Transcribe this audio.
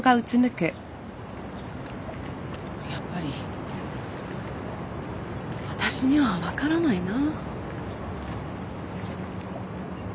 やっぱり私には分からないな。